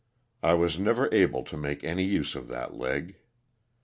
I was never able to make any use of that leg.